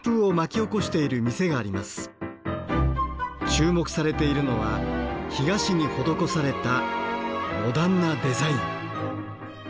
注目されているのは干菓子に施されたモダンなデザイン。